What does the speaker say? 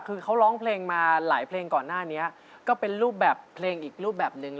คือเขาร้องเพลงมาหลายเพลงก่อนหน้านี้ก็เป็นรูปแบบเพลงอีกรูปแบบหนึ่ง